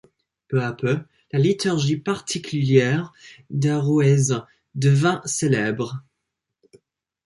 Peu à peu, la liturgie particulière d'Arrouaise devint célèbre.